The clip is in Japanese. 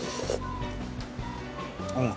うん。